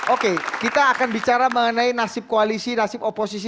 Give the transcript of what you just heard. oke kita akan bicara mengenai nasib koalisi nasib oposisi